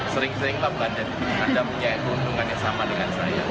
sering sering lah berada di anda punya keuntungan yang sama dengan saya